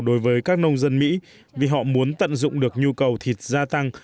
đối với các nông dân mỹ vì họ muốn tận dụng được nhu cầu thịt gia tăng